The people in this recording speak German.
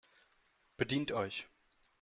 Bedient euch